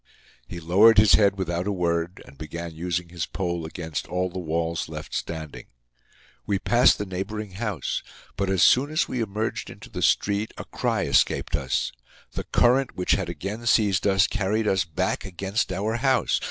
He lowered his head without a word, and began using his pole against all the walls left standing. We passed the neighboring house, but as soon as we emerged into the street a cry escaped us. The current, which had again seized us, carried us back against our house.